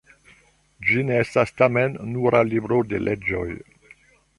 Ĝi ne estas, tamen, nura libro de leĝoj.